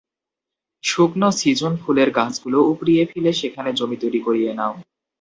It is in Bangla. শুকনো সীজন ফুলের গাছগুলো উপড়িয়ে ফেলে সেখানে জমি তৈরি করিয়ে নাও।